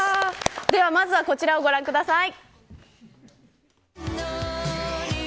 ではまずはこちらをご覧ください。